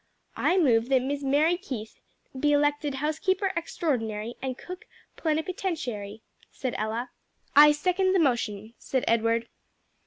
"I move that Miss Mary Keith be elected housekeeper extraordinary and cook plenipotentiary," said Ella. "I second the motion," said Edward.